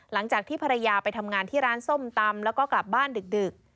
หลังจากที่ภรรยาไปทำงานที่ร้านส้มตำแล้วก็กลับบ้านดึก